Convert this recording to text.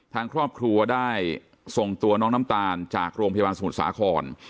ทางครอบครัวได้ส่งตัวน้องน้ำตาลจากโรงพยาบาลสมุทรสาคร